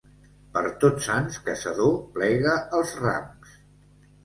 Per Tots Sants, caçador, plega els rams.